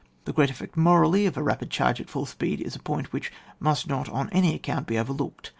The great effect morally of a rapid charge at fiill speed is a point which must not on any account be overlooked.